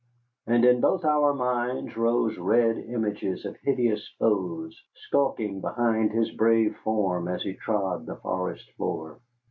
And in both our minds rose red images of hideous foes skulking behind his brave form as he trod the forest floor.